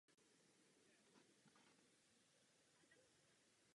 V případě molekul se sčítají hmotnosti všech atomů v molekule.